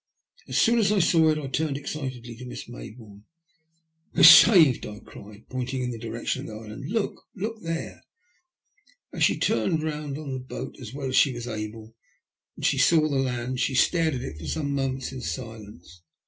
As soon as I saw it I turned excitedly to Miss Maybourne. We're saved !" I cried, pointing in the direction of the island ;look there — look there !" She turned round on the boat as well as she was able and when she saw the land, stared at it for some moments in silence.